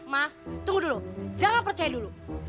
ma tunggu dulu jangan percaya dulu